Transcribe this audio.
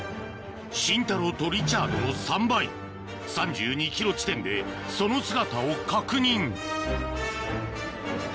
シンタローとリチャードの３倍３２ｋｍ地点でその姿を確認